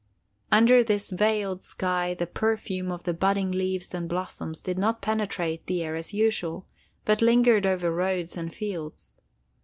Under this veiled sky the perfume of the budding leaves and blossoms did not penetrate the air as usual, but lingered over roads and fields.